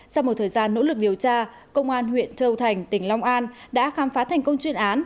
sau một thời gian nỗ lực điều tra công an huyện châu thành tỉnh long an đã khám phá thành công chuyên án